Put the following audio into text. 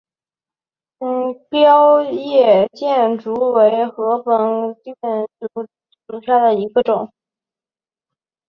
凋叶箭竹为禾本科箭竹属下的一个种。